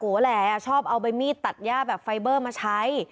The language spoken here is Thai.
แหละชอบเอาใบมีดตัดย่าแบบไฟเบอร์มาใช้